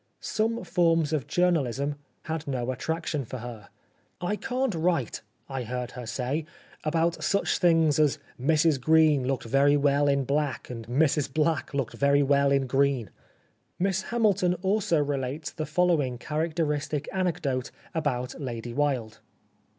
Some forms of journalism had no attraction for her. ' I can't write,' I heard her say, ' about such things as Mrs Green looked very well in black, and Mrs Black looked very well in green.' " Miss Hamilton also relates the following characteristic anecdote about Lady Wilde.